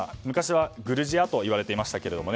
昔はグルジアといわれていました。